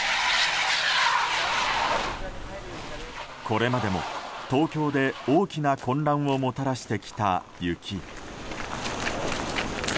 これまでも東京で大きな混乱をもたらしてきた雪。